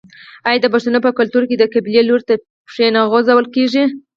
آیا د پښتنو په کلتور کې د قبلې لوري ته پښې نه غځول کیږي؟